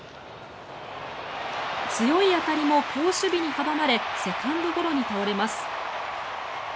強い当たりも好守備に阻まれセカンドゴロに倒れます。